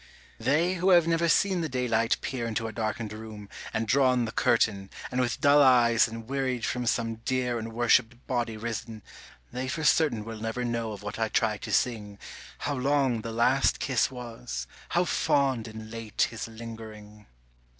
They who have never seen the daylight peer Into a darkened room, and drawn the curtain, And with dull eyes and wearied from some dear And worshipped body risen, they for certain Will never know of what I try to sing, How long the last kiss was, how fond and late his lingering.